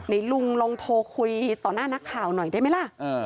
นี่ลุงลองโทรคุยต่อหน้านักข่าวหน่อยได้ไหมล่ะ